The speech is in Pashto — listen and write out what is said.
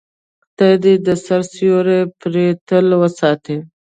خدای دې د سر سیوری پرې تل وساتي.